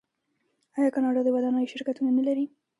آیا کاناډا د ودانیو شرکتونه نلري؟